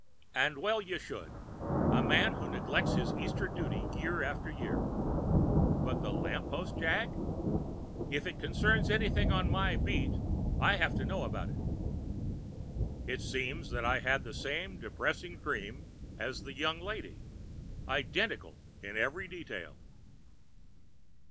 "And well you should, a man who neglects his Easter duty year after year. But the lamp post jag? If it concerns anything on my beat, I have to know about it." "It seems that I had the same depressing dream as the young lady, identical in every detail."